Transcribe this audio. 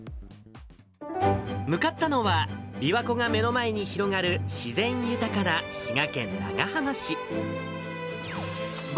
向かったのは、琵琶湖が目の前に広がる自然豊かな滋賀県長浜市。